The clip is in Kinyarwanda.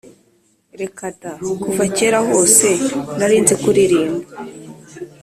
reka da kuva kera hose narinzi kuririmba